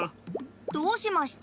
どうしました？